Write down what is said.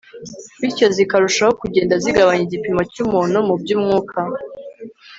bityo zikarushaho kugenda zigabanya igipimo cy'umuntu mu by'umwuka